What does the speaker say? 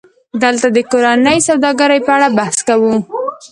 دلته د کورنۍ سوداګرۍ په اړه بحث کوو